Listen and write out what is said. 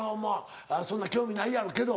そんな興味ないやろうけど。